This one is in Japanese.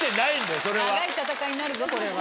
長い戦いになるぞこれは。